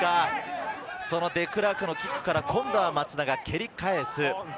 デクラークのキックから松田が蹴り返す。